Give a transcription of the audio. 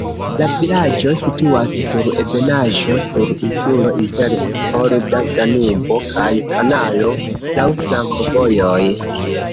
La vilaĝo situas sur ebenaĵo, sur insulo inter olda Danubo kaj kanalo, laŭ flankovojoj.